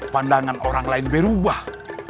pandangan orang lain berubah